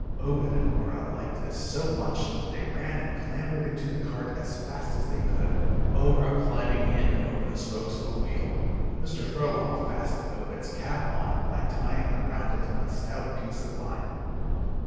Obed and Orah liked this so much that they ran and clambered into the cart as fast as they could, Orah climbing in over the spokes of a wheel. Mr. Furlong fastened Obed's cap on by tying around it a stout piece of line.